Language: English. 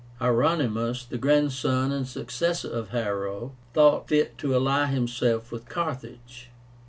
Hieronymus, the grandson and successor of Hiero, thought fit to ally himself with Carthage.